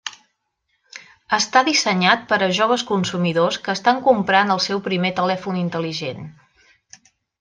Està dissenyat per a joves consumidors que estan comprant el seu primer telèfon intel·ligent.